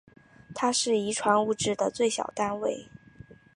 它是遗传物质的最小单位。